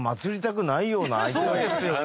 そうですよね。